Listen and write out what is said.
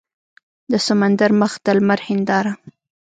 د سمندر مخ د لمر هینداره